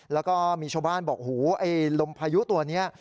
แล้วก็มีชาวบ้านบอกหูไอ้ลมพายุตัวนี้